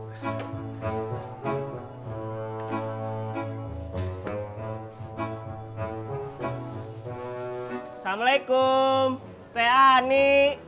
assalamualaikum peh ani